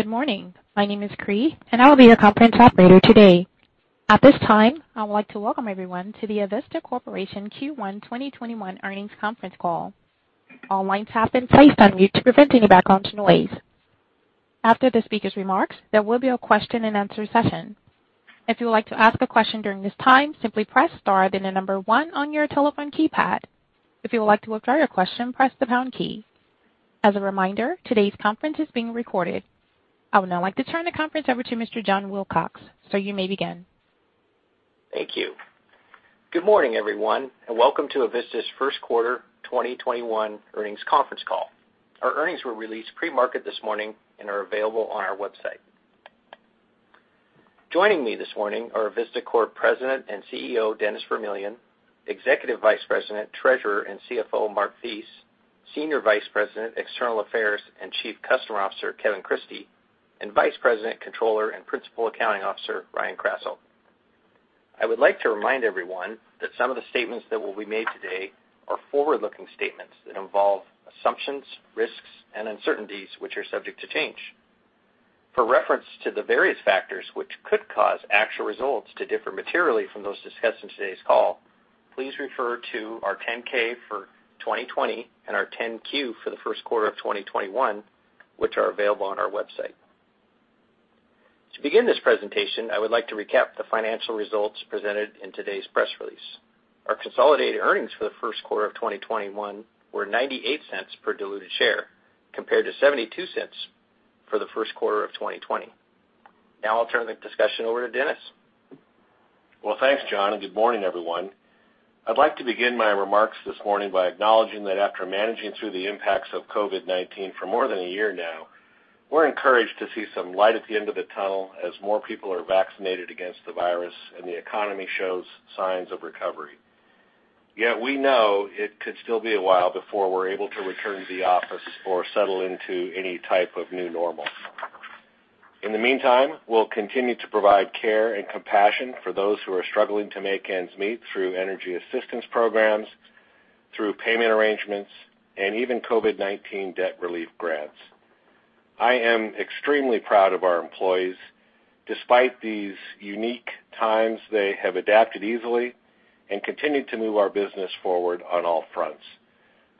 Good morning. My name is Cree, and I will be your conference operator today. I would now like to turn the conference over to Mr. John Wilcox. So you may begin. Thank you. Good morning, everyone, and welcome to Avista's first quarter 2021 earnings conference call. Our earnings were released pre-market this morning and are available on our website. Joining me this morning are Avista Corp. President and CEO, Dennis Vermillion, Executive Vice President, Treasurer and CFO, Mark Thies, Senior Vice President, External Affairs and Chief Customer Officer, Kevin Christie, and Vice President, Controller and Principal Accounting Officer, Ryan Krasselt. I would like to remind everyone that some of the statements that will be made today are forward-looking statements that involve assumptions, risks, and uncertainties which are subject to change. For reference to the various factors which could cause actual results to differ materially from those discussed in today's call, please refer to our 10-K for 2020 and our 10-Q for the first quarter of 2021, which are available on our website. To begin this presentation, I would like to recap the financial results presented in today's press release. Our consolidated earnings for the first quarter of 2021 were $0.98 per diluted share, compared to $0.72 for the first quarter of 2020. I'll turn the discussion over to Dennis. Well, thanks, John, and good morning, everyone. I'd like to begin my remarks this morning by acknowledging that after managing through the impacts of COVID-19 for more than a year now, we're encouraged to see some light at the end of the tunnel as more people are vaccinated against the virus and the economy shows signs of recovery. Yet we know it could still be a while before we're able to return to the office or settle into any type of new normal. In the meantime, we'll continue to provide care and compassion for those who are struggling to make ends meet through energy assistance programs, through payment arrangements, and even COVID-19 debt relief grants. I am extremely proud of our employees. Despite these unique times, they have adapted easily and continued to move our business forward on all fronts.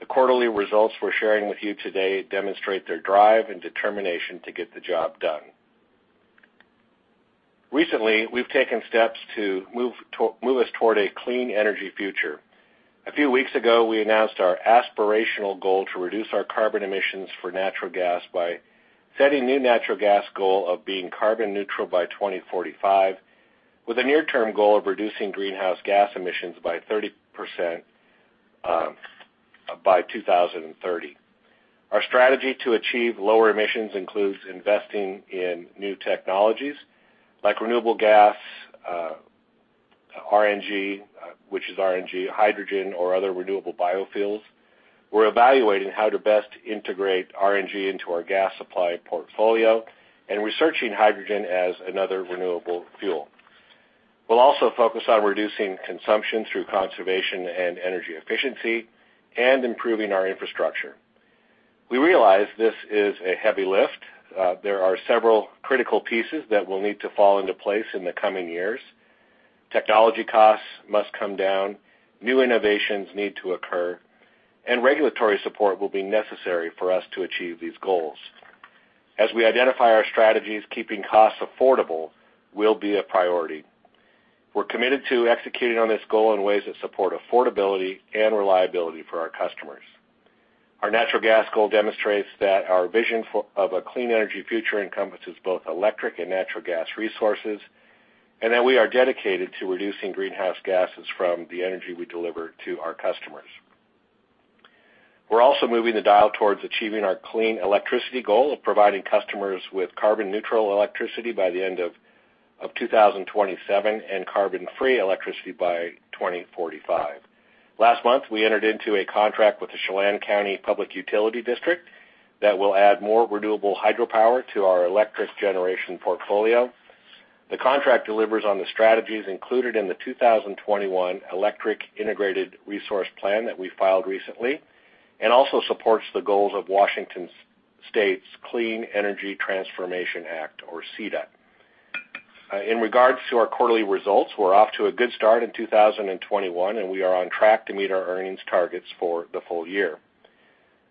The quarterly results we're sharing with you today demonstrate their drive and determination to get the job done. Recently, we've taken steps to move us toward a clean energy future. A few weeks ago, we announced our aspirational goal to reduce our carbon emissions for natural gas by setting new natural gas goal of being carbon neutral by 2045, with a near-term goal of reducing greenhouse gas emissions by 30% by 2030. Our strategy to achieve lower emissions includes investing in new technologies like renewable gas, RNG, which is RNG, hydrogen, or other renewable biofuels. We're evaluating how to best integrate RNG into our gas supply portfolio and researching hydrogen as another renewable fuel. We'll also focus on reducing consumption through conservation and energy efficiency and improving our infrastructure. We realize this is a heavy lift. There are several critical pieces that will need to fall into place in the coming years. Technology costs must come down, new innovations need to occur, and regulatory support will be necessary for us to achieve these goals. As we identify our strategies, keeping costs affordable will be a priority. We're committed to executing on this goal in ways that support affordability and reliability for our customers. Our natural gas goal demonstrates that our vision of a clean energy future encompasses both electric and natural gas resources, and that we are dedicated to reducing greenhouse gases from the energy we deliver to our customers. We're also moving the dial towards achieving our clean electricity goal of providing customers with carbon-neutral electricity by the end of 2027 and carbon-free electricity by 2045. Last month, we entered into a contract with the Chelan County Public Utility District that will add more renewable hydropower to our electric generation portfolio. The contract delivers on the strategies included in the 2021 Electric Integrated Resource Plan that we filed recently and also supports the goals of Washington State's Clean Energy Transformation Act, or CETA. In regards to our quarterly results, we're off to a good start in 2021, and we are on track to meet our earnings targets for the full year.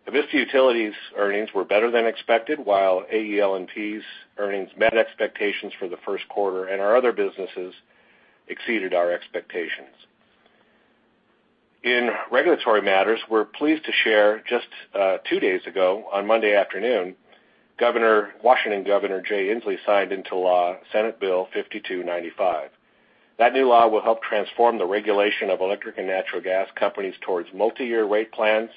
Avista Utilities' earnings were better than expected, while AEL&P's earnings met expectations for the first quarter, and our other businesses exceeded our expectations. In regulatory matters, we're pleased to share just two days ago, on Monday afternoon, Washington Governor Jay Inslee signed into law Senate Bill 5295. That new law will help transform the regulation of electric and natural gas companies towards multi-year rate plans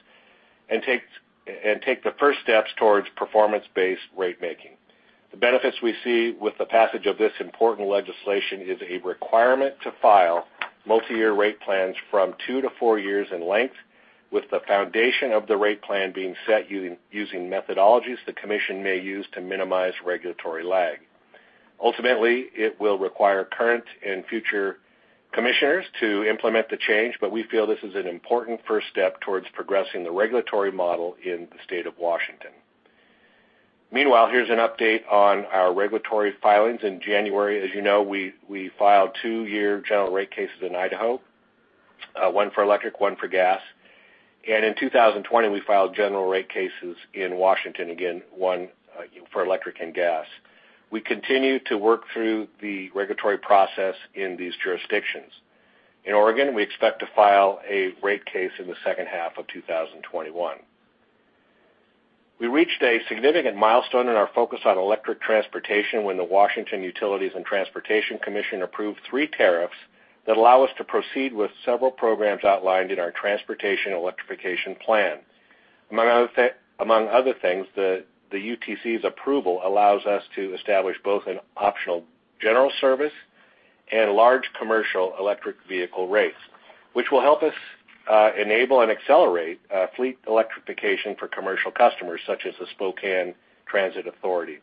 and take the first steps towards performance-based rate making. The benefits we see with the passage of this important legislation is a requirement to file multi-year rate plans from two to four years in length with the foundation of the rate plan being set using methodologies the Commission may use to minimize regulatory lag. Ultimately, it will require current and future commissioners to implement the change, but we feel this is an important first step towards progressing the regulatory model in the State of Washington. Meanwhile, here's an update on our regulatory filings. In January, as you know, we filed two-year general rate cases in Idaho, one for electric, one for gas. In 2020, we filed general rate cases in Washington, again, one for electric and gas. We continue to work through the regulatory process in these jurisdictions. In Oregon, we expect to file a rate case in the second half of 2021. We reached a significant milestone in our focus on electric transportation when the Washington Utilities and Transportation Commission approved three tariffs that allow us to proceed with several programs outlined in our transportation electrification plan. Among other things, the UTC's approval allows us to establish both an optional general service and large commercial electric vehicle rates, which will help us enable and accelerate fleet electrification for commercial customers, such as the Spokane Transit Authority.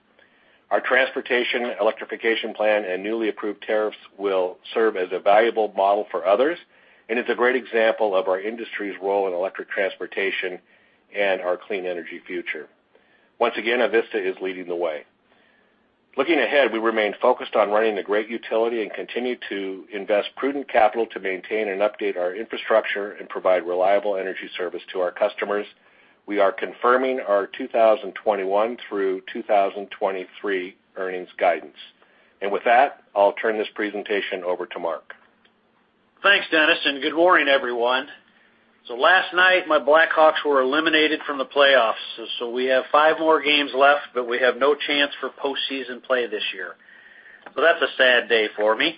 Our transportation electrification plan and newly approved tariffs will serve as a valuable model for others, and it's a great example of our industry's role in electric transportation and our clean energy future. Once again, Avista is leading the way. Looking ahead, we remain focused on running the great utility and continue to invest prudent capital to maintain and update our infrastructure and provide reliable energy service to our customers. We are confirming our 2021 through 2023 earnings guidance. With that, I'll turn this presentation over to Mark. Thanks, Dennis. Good morning, everyone. Last night, my Blackhawks were eliminated from the playoffs. We have five more games left, but we have no chance for postseason play this year. That's a sad day for me.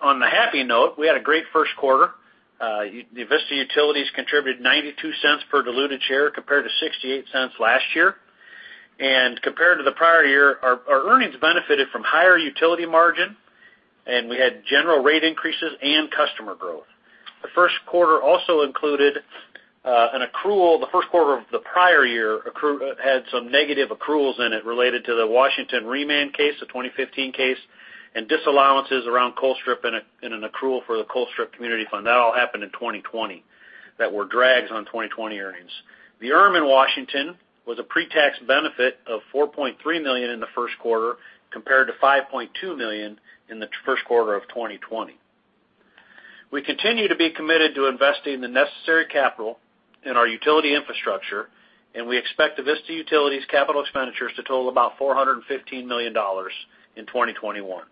On the happy note, we had a great first quarter. Avista Utilities contributed $0.92 per diluted share compared to $0.68 last year. Compared to the prior year, our earnings benefited from higher utility margin, and we had general rate increases and customer growth. The first quarter of the prior year had some negative accruals in it related to the Washington remand case, the 2015 case, and disallowances around Colstrip and an accrual for the Colstrip Community Fund. That all happened in 2020, that were drags on 2020 earnings. The ERM in Washington was a pre-tax benefit of $4.3 million in the first quarter, compared to $5.2 million in the first quarter of 2020. We continue to be committed to investing the necessary capital in our utility infrastructure, and we expect Avista Utilities capital expenditures to total about $415 million in 2021.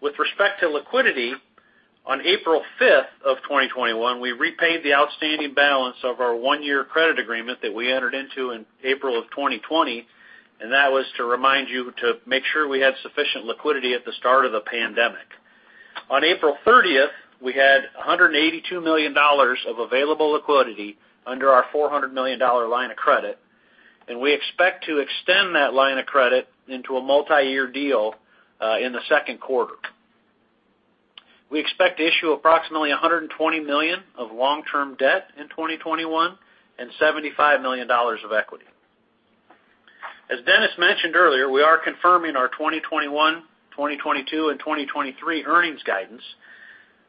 With respect to liquidity, on April 5th, 2021, we repaid the outstanding balance of our one-year credit agreement that we entered into in April 2020, and that was to remind you to make sure we had sufficient liquidity at the start of the pandemic. On April 30th, we had $182 million of available liquidity under our $400 million line of credit, and we expect to extend that line of credit into a multi-year deal in the second quarter. We expect to issue approximately $120 million of long-term debt in 2021, and $75 million of equity. As Dennis mentioned earlier, we are confirming our 2021, 2022, and 2023 earnings guidance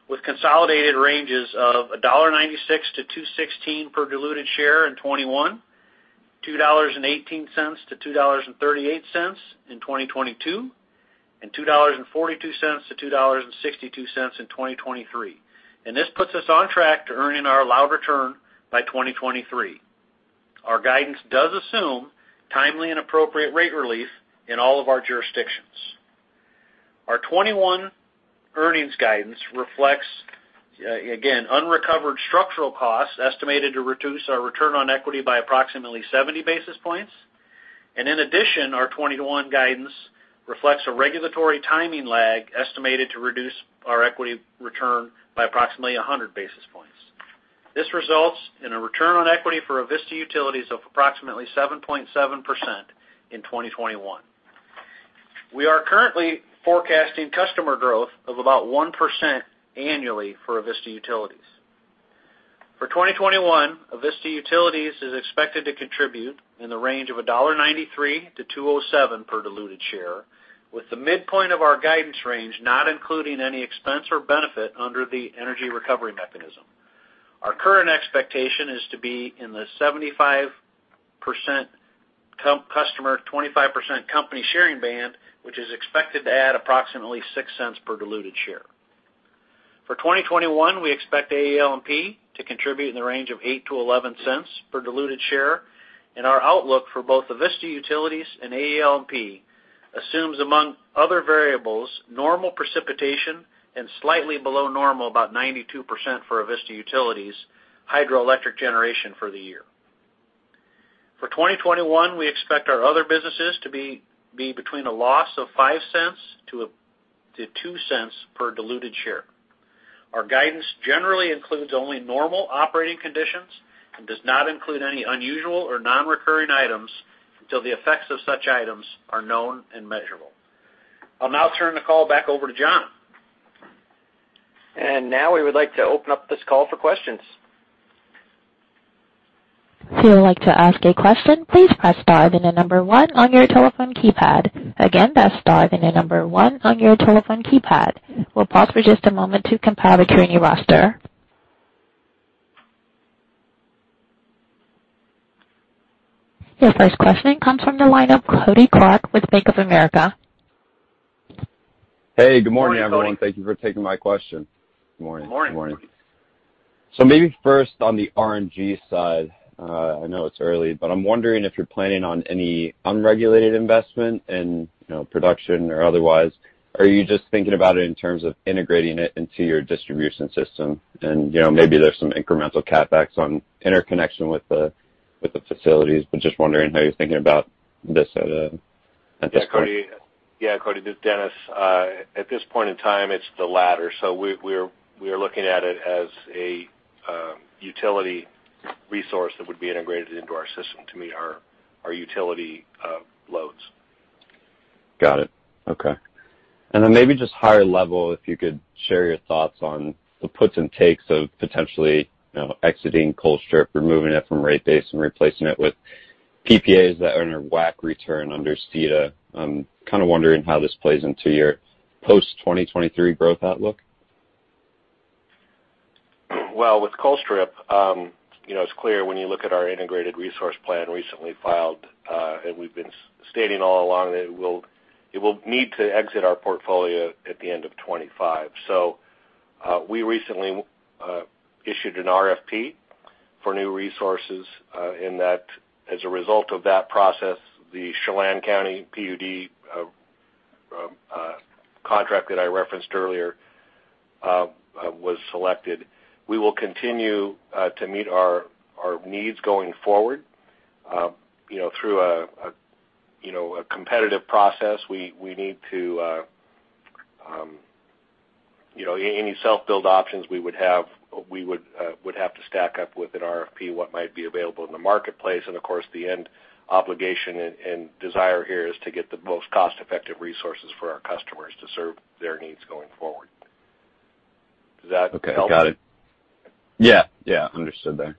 with consolidated ranges of $1.96 to $2.16 per diluted share in 2021, $2.18 to $2.38 in 2022, and $2.42 to $2.62 in 2023. This puts us on track to earning our allowed return by 2023. Our guidance does assume timely and appropriate rate relief in all of our jurisdictions. Our 2021 earnings guidance reflects, again, unrecovered structural costs estimated to reduce our return on equity by approximately 70 basis points. In addition, our 2021 guidance reflects a regulatory timing lag estimated to reduce our equity return by approximately 100 basis points. This results in a return on equity for Avista Utilities of approximately 7.7% in 2021. We are currently forecasting customer growth of about 1% annually for Avista Utilities. For 2021, Avista Utilities is expected to contribute in the range of $1.93-$2.07 per diluted share, with the midpoint of our guidance range not including any expense or benefit under the Energy Recovery Mechanism. Our current expectation is to be in the 75% customer, 25% company sharing band, which is expected to add approximately $0.06 per diluted share. For 2021, we expect AEL&P to contribute in the range of $0.08-$0.11 per diluted share, and our outlook for both Avista Utilities and AEL&P assumes, among other variables, normal precipitation and slightly below normal, about 92% for Avista Utilities' hydroelectric generation for the year. For 2021, we expect our other businesses to be between a loss of $0.05-$0.02 per diluted share. Our guidance generally includes only normal operating conditions and does not include any unusual or non-recurring items until the effects of such items are known and measurable. I'll now turn the call back over to John. Now we would like to open up this call for questions. If you would like to ask a question, please press star, then the number one on your telephone keypad. Again, press star, then the number one on your telephone keypad. We'll pause for just a moment to compile the trainee roster. Your first question comes from the line of Julien Dumoulin-Smith with Bank of America. Hey, good morning, everyone. Thank you for taking my question. Good morning. Good morning. Maybe first on the RNG side. I know it's early, but I'm wondering if you're planning on any unregulated investment in production or otherwise. Are you just thinking about it in terms of integrating it into your distribution system? Maybe there's some incremental CapEx on interconnection with the facilities, but just wondering how you're thinking about this at this point. Julien. This is Dennis. At this point in time, it's the latter. We are looking at it as a utility resource that would be integrated into our system to meet our utility loads. Got it. Okay. Maybe just higher level, if you could share your thoughts on the puts and takes of potentially exiting Colstrip, removing it from rate base, and replacing it with PPAs that earn a WACC return under CETA. I'm kind of wondering how this plays into your post-2023 growth outlook. With Colstrip, it's clear when you look at our Integrated Resource Plan recently filed, and we've been stating all along that it will need to exit our portfolio at the end of 2025. We recently issued an RFP for new resources. In that, as a result of that process, the Chelan County PUD contract that I referenced earlier was selected. We will continue to meet our needs going forward through a competitive process. Any self-build options we would have, would have to stack up with an RFP, what might be available in the marketplace. Of course, the end obligation and desire here is to get the most cost-effective resources for our customers to serve their needs going forward. Does that help? Okay. Got it. Yeah. Understood there.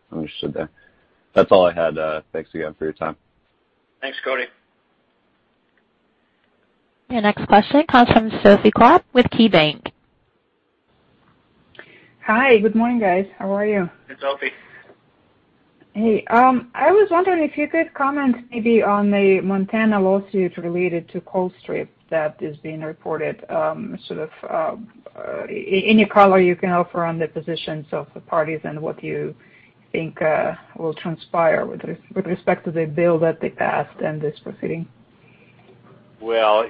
That's all I had. Thanks again for your time. Thanks, Julien. Your next question comes from Sophie Karp with KeyBanc. Hi. Good morning, guys. How are you? Hey, Sophie. Hey. I was wondering if you could comment maybe on the Montana lawsuit related to Colstrip that is being reported. Any color you can offer on the positions of the parties and what you think will transpire with respect to the bill that they passed and this proceeding? Well,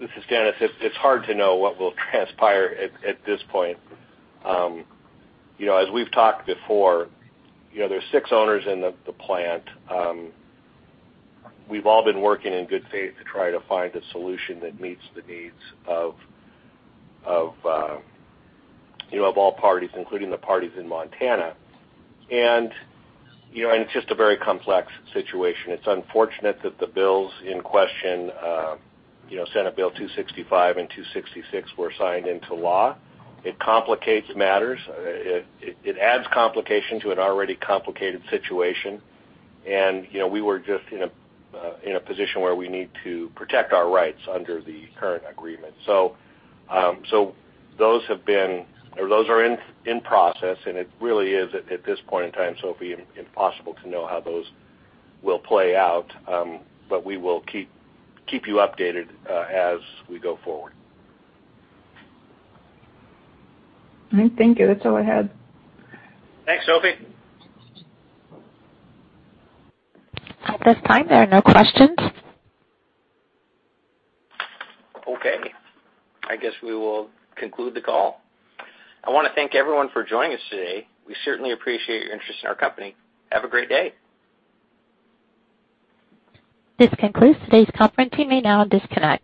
this is Dennis. It's hard to know what will transpire at this point. As we've talked before, there are six owners in the plant. We've all been working in good faith to try to find a solution that meets the needs of all parties, including the parties in Montana. It's just a very complex situation. It's unfortunate that the bills in question, Senate Bill 265 and 266, were signed into law. It complicates matters. It adds complication to an already complicated situation. We were just in a position where we need to protect our rights under the current agreement. Those are in process, and it really is, at this point in time, Sophie, impossible to know how those will play out. We will keep you updated as we go forward. All right. Thank you. That's all I had. Thanks, Sophie. At this time, there are no questions. Okay. I guess we will conclude the call. I want to thank everyone for joining us today. We certainly appreciate your interest in our company. Have a great day. This concludes today's conference. You may now disconnect.